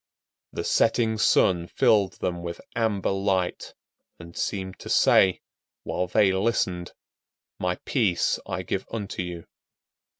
The setting sun filled them with amber light, and seemed to say, while they listened, "My peace I give unto you."